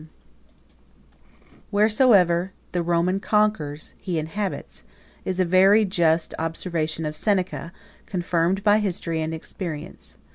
—M.] "Wheresoever the Roman conquers, he inhabits," is a very just observation of Seneca, 30 confirmed by history and experience.